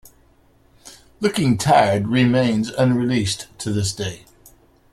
"Looking Tired" remains unreleased to this day.